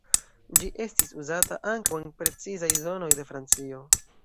Ĝi estis uzata ankaŭ en precizaj zonoj de Francio.